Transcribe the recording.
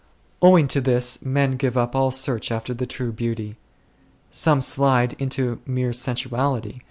Owing to this men give up all search after the true Beauty. Some slide into mere sensuality.